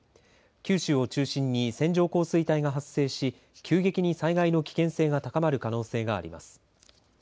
九州を中心に線状降水帯が発生し急激に災害の危険性が高まる可能性があります。